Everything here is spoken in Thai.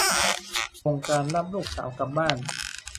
โครงการรับลูกสาวกลับบ้าน